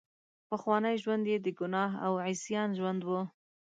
پخوانی ژوند یې د ګناه او عصیان ژوند وو.